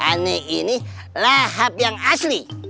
aneh ini lahap yang asli